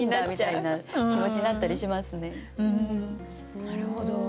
なるほど。